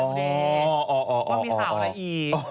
อ๋อนี่เท่าไล